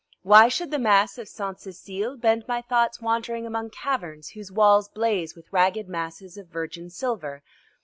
Why should the Mass of Sainte Cécile bend my thoughts wandering among caverns whose walls blaze with ragged masses of virgin silver?